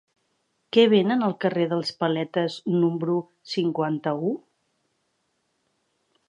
Què venen al carrer dels Paletes número cinquanta-u?